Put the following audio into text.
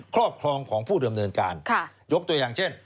ครอบครองของผู้ดำเนินการยกตัวอย่างเช่น